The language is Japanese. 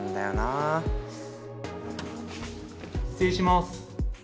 失礼します。